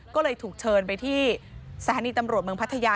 ก็เลยถูกเชิญไปที่สถานีตำรวจเมืองพัทยา